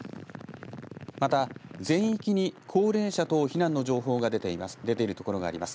また全域に高齢者等避難の情報が出ているところがあります。